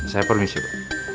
saya permisi pak